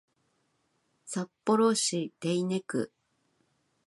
札幌市手稲区